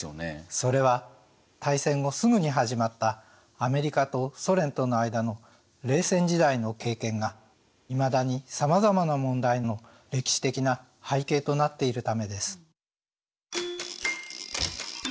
それは大戦後すぐに始まったアメリカとソ連との間の冷戦時代の経験がいまだにさまざまな問題の歴史的な背景となっているためです。